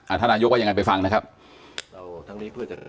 อาทานายกว่ายังไงไปฟังนะครับ